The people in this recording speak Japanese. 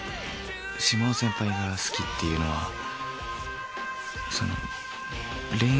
島尾先輩が好きっていうのはそのう。